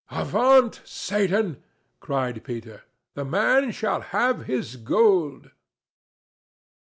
"Avaunt, Satan!" cried Peter. "The man shall have his gold."